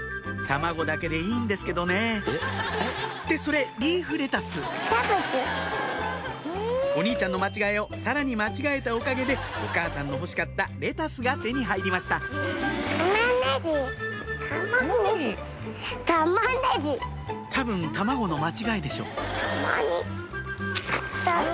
卵だけでいいんですけどねってそれリーフレタスお兄ちゃんの間違えをさらに間違えたおかげでお母さんの欲しかったレタスが手に入りました多分卵の間違いでしょ